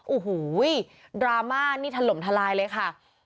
อู้หูวววววววววดราม่านี่ถล่มทลายเลยค่ะ